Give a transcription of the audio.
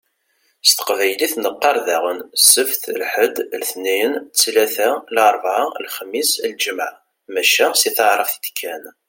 S teqbaylit neqqaṛ daɣen: Sebt, lḥed, letniyen, ttlata, larbɛa, lexmis, lǧemɛa. Maca si taɛrabt i d-kkan.